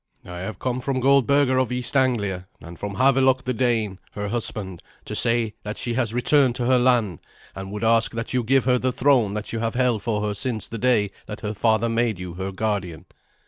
"I have come from Goldberga of East Anglia, and from Havelok the Dane, her husband, to say that she has returned to her land, and would ask that you would give her the throne that you have held for her since the day that her father made you her guardian.